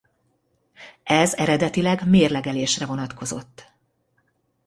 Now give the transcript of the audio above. Ez eredetileg mérlegelésre vonatkozott.